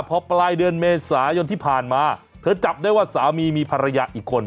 พอปลายเดือนเมษายนที่ผ่านมาเธอจับได้ว่าสามีมีภรรยาอีกคน